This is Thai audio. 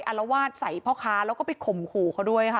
อารวาสใส่พ่อค้าแล้วก็ไปข่มขู่เขาด้วยค่ะ